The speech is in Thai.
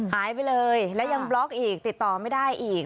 หายไปเลยแล้วยังบล็อกอีกติดต่อไม่ได้อีก